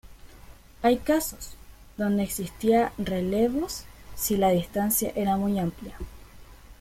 Hay casos, donde existía relevos si la distancia era muy amplia.